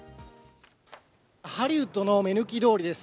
ハリウッドの目抜き通りです。